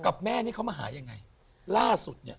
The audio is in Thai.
กับแม่นี่เขามาหายังไงล่าสุดเนี่ย